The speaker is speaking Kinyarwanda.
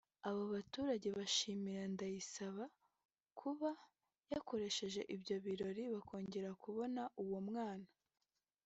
Abo baturage bashimira Ndayisaba kuba yakoresheje ibyo birori bakongera kubona uwo mwana